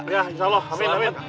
ya insya allah amin amin